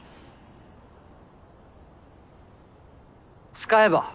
使えば？